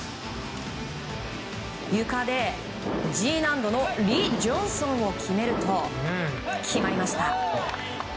ゆかでＧ難度のリ・ジョンソンを決めると決まりました！